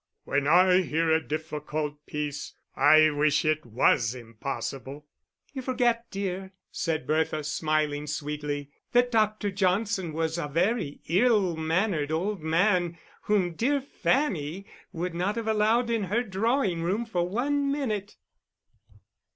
"When I hear a difficult piece I wish it was impossible." "You forget, dear," said Bertha, smiling sweetly, "that Dr. Johnson was a very ill mannered old man whom dear Fanny would not have allowed in her drawing room for one minute."